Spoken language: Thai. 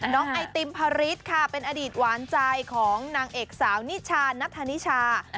น้องไอติมพระฤทธิ์ค่ะเป็นอดีตหวานใจของนางเอกสาวนิชานัทธานิชา